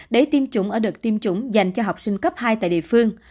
để tiêm chủng ở đợt tiêm chủng dành cho học sinh cấp hai tại địa phương